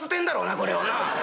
これをな」。